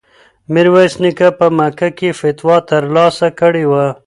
میرویس نیکه په مکه کې فتوا ترلاسه کړې وه.